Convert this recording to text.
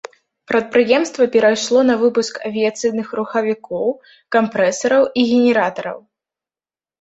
Прадпрыемства перайшло на выпуск авіяцыйных рухавікоў, кампрэсараў і генератараў.